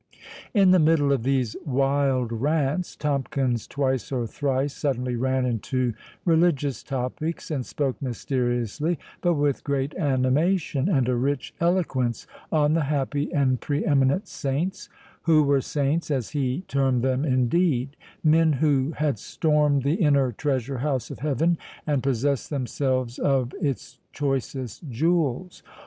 In the middle of these wild rants, Tomkins twice or thrice suddenly ran into religious topics, and spoke mysteriously, but with great animation, and a rich eloquence, on the happy and pre eminent saints, who were saints, as he termed them, indeed—Men who had stormed the inner treasure house of Heaven, and possessed themselves of its choicest jewels.